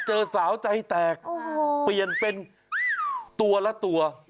เจอสาวใจแตกเปลี่ยนเป็นตัวละตัว